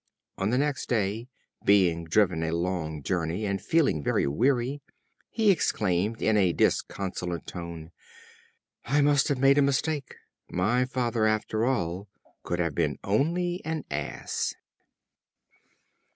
On the next day, being driven a long journey, and feeling very weary, he exclaimed in a disconsolate tone: "I must have made a mistake; my father, after all, could have been only an ass."